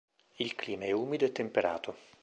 Il clima è umido temperato.